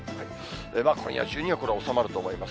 今夜中にはこれは収まると思います。